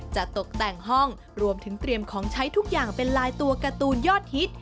จะตกแต่งห้องรวมถึงเตรียมของใช้ทุกอย่างเป็นลายตัวการ์ตูนยอดฮิต